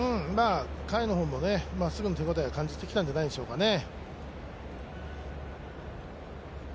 甲斐の方もまっすぐに手応えを感じてきたんじゃないでしょうかね。